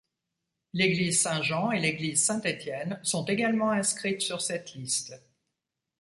L'église Saint-Jean et l'église Saint-Étienne sont également inscrites sur cette liste.